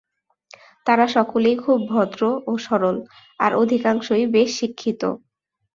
তাঁরা সকলেই খুব ভদ্র ও সরল, আর অধিকাংশই বেশ শিক্ষিত।